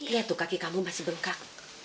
lihat tuh kaki kamu masih bengkak